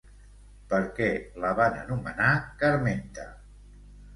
Per què la van anomenar Carmenta?